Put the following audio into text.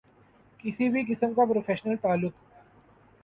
کسی بھی قسم کا پروفیشنل تعلق